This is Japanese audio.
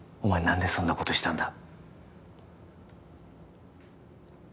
何でそんなことしたんだ？